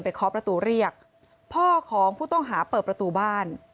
เคาะประตูเรียกพ่อของผู้ต้องหาเปิดประตูบ้าน